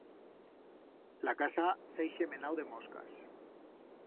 La casa s'ha ixemenau de moscas.